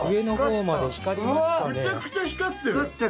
むちゃくちゃ光ってる。